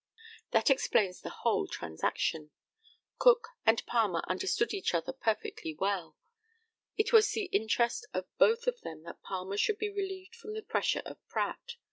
That explains the whole transaction. Cook and Palmer understood each other perfectly well. It was the interest of both of them that Palmer should be relieved from the pressure of Pratt.